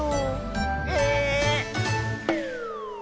え⁉